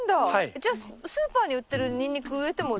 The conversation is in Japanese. じゃあスーパーに売ってるニンニク植えてもできるんですか？